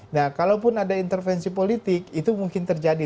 nah kalau pun ada intervensi politik itu mungkin terjadi